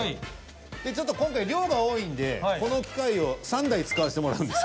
でちょっと今回量が多いんでこの器械を３台使わせてもらうんですけど。